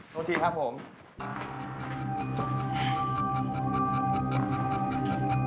โทษทีครับผม